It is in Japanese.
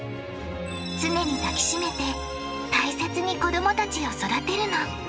常に抱きしめて大切に子どもたちを育てるの。